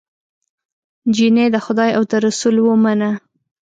جینۍ د خدای او د رسول ومنه